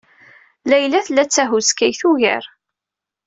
Layla tella d tahuskayt ugar.